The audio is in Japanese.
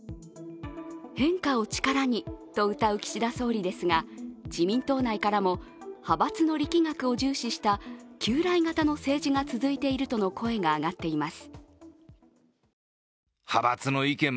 変化を力にとうたう岸田総理ですが自民党内からも派閥の力学を重視した旧来型の政治が続いているとの声が上がっています。